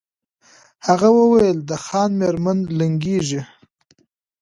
هغه وویل د خان مېرمن لنګیږي